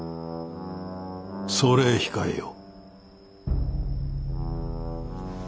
それへ控えよ。